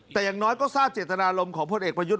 แต่อย่างน้อยก็ทราบเจตนารมณ์ของพลเอกประยุทธ์